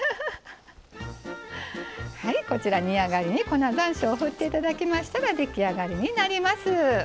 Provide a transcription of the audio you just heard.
こちら、煮上がりに粉ざんしょうを振っていただいたら出来上がりになります。